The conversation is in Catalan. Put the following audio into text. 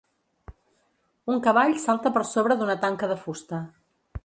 Un cavall salta per sobre d'una tanca de fusta.